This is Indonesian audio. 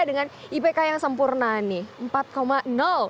dengan ipk yang sempurna nih